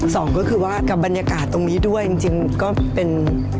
สองก็คือว่ากับบรรยากาศตรงนี้ด้วยจริงก็เป็น